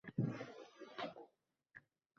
balki juda katta ijtimoiy-siyosiy masala», dedi vazir.